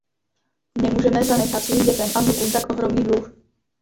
Nemůžeme zanechat svým dětem a vnukům tak ohromný dluh.